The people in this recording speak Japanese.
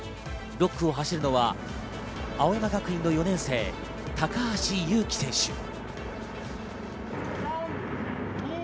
６区を走るのは青山学院の４年生・高橋勇輝選手。